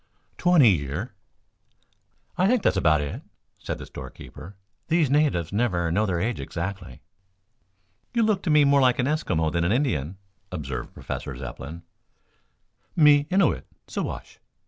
"Twenty year." "I think that is about it," said the store keeper. "These natives never know their age exactly." "You look to me more like an Eskimo than an Indian," observed Professor Zepplin. "Me Innuit Siwash.